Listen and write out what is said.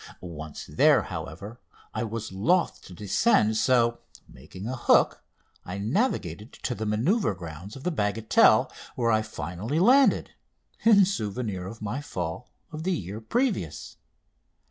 Once there, however, I was loth to descend, so, making a hook, I navigated to the manoeuvre grounds of Bagatelle, where I finally landed, in souvenir of my fall of the year previous.